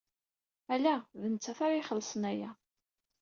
Ala, d nettat ara ixellṣen aya.